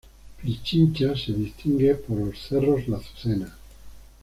Pichincha se distingue por los cerros la Azucena.